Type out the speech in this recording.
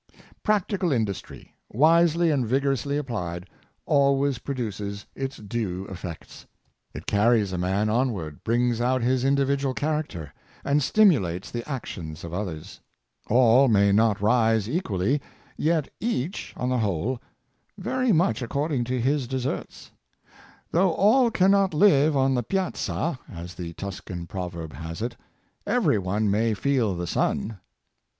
Practical industry, wisely and vigorously applied, always produces its due effects. It carries a man on ward, brings out his individual character, and stimu lates the actions of others. All may not rise equally, yet each, on the whole, very much according to his de serts. " Though all cannot live on the piazza,^' as the Tuscan proverb has it, " every one may feel the sun."